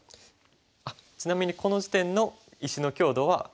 ちなみにこの時点の石の強度は。